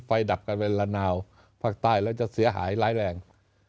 ดับกันเป็นละนาวภาคใต้แล้วจะเสียหายร้ายแรง